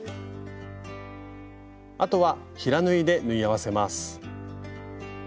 あとは平縫いで縫い合わせます。